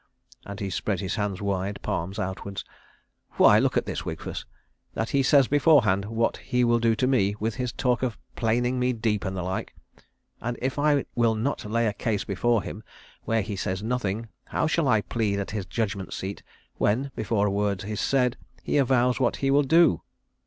and he spread his hands wide, palms outwards, "Why! Look at this, Wigfus, that he says beforehand what he will do to me with his talk of planing me deep and the like. And if I will not lay a case before him where he says nothing, how shall I plead at his judgment seat when, before a word said, he avows what he will do?"